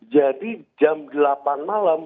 jadi jam delapan malam